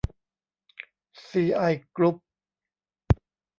ซี ไอ กรุ๊ป